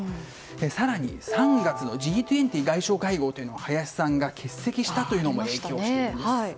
更に、３月のＧ２０外相会合を林さんが欠席したことも影響しているんです。